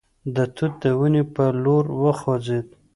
د توت د ونې په لور وخوځېد.